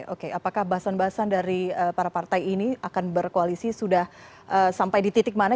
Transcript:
oke apakah bahasan bahasan dari para partai ini akan berkoalisi sudah sampai di titik mana